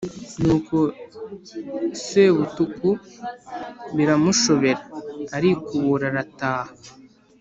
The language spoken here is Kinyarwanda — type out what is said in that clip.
Nuko Sebutuku biramushobera, arikubura arataha.